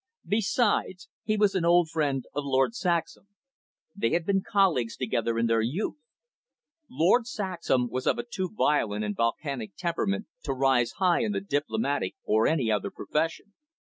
Besides, he was an old friend of Lord Saxham. They had been colleagues together in their youth. Lord Saxham was of a too violent and volcanic temperament to rise high in the diplomatic or any other profession.